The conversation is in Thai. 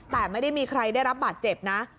แต่ไม่ได้มีใครได้รับบาดเจ็บนะ